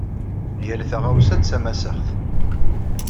Yal taɣawsa d tamassaɣt.